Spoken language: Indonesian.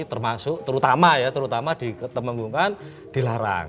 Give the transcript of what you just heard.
termasuk terutama ya terutama di temenggungan dilarang